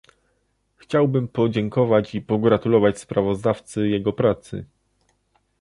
Chciałbym podziękować i pogratulować sprawozdawcy jego pracy